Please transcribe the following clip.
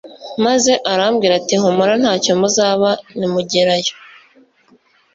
maze arambwira ati humura ntacyo muzaba nimugerayo